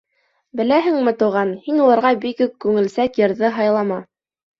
Беләһеңме, Туған, һин уларға бигүк күңелсәк йырҙы һайлама.